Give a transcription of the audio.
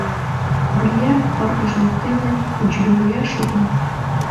Бильярд пырдыж воктен унчыливуя шога.